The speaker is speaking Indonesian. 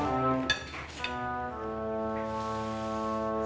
gak kecanduan hp